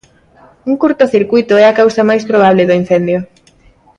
Un curtocircuíto é a causa máis probable do incendio.